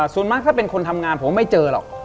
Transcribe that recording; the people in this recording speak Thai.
ส่วนมากถ้าเป็นคนทำงานผมไม่เจอหรอก